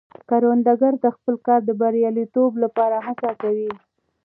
کروندګر د خپل کار د بریالیتوب لپاره هڅه کوي